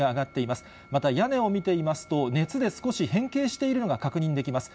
また屋根を見ていますと、熱で少し変形しているのが確認できます。